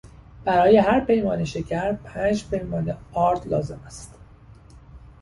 برای هرپیمانه شکر پنج پیمانه آرد لازم است.